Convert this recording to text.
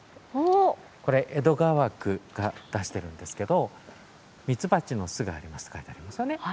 これ、江戸川区が出しているんですけど「ミツバチの巣があります。」と書いてありますよね。